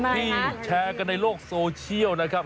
ที่แชร์กันในโลกโซเชียลนะครับ